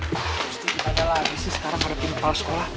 pasti gimana lagi sih sekarang karena gue kepala sekolah